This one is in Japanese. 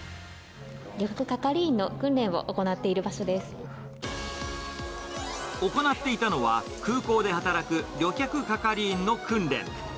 旅客係員の訓練を行っている行っていたのは、空港で働く旅客係員の訓練。